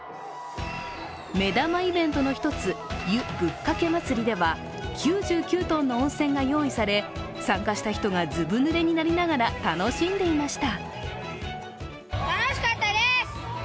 目玉イベントの１つ、湯ぶっかけまつりでは９９ｔの温泉が用意され、参加した人がずぶぬれになりながら楽しんでいました。